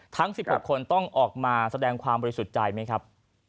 ทั้ง๑๖คนต้องออกมาแสดงความบริสุทธิ์ใจไหมครับ